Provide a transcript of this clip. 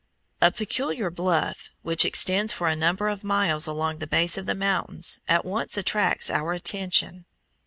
A peculiar bluff which extends for a number of miles along the base of the mountains at once attracts our attention.